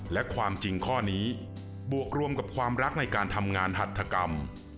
และความจริงข้อนี้บวกรวมกับความรักในการทำงานหัตถกรรม